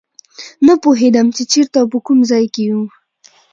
نه پوهېدم چې چېرته او په کوم ځای کې یو.